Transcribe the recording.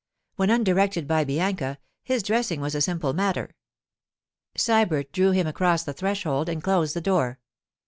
When undirected by Bianca, his dressing was a simple matter. Sybert drew him across the threshold and closed the door.